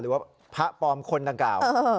หรือว่าพระปลอมคนดังกล่าว